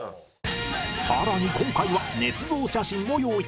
さらに今回はねつ造写真を用意